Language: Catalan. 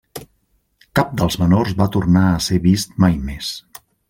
Cap dels menors va tornar a ser vist mai més.